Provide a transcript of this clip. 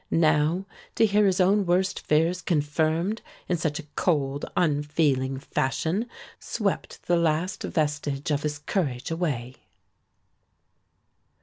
Now to hear his own worst fears confirmed in such a cold, unfeeling fashion swept the last vestige of his courage away.